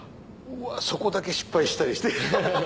そこだけ失敗したりして。